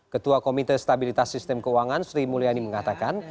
ketua komite stabilitas sistem keuangan sri mulyani mengatakan